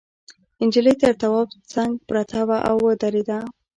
نجلۍ تر تواب څنگ پرته وه او ودرېده.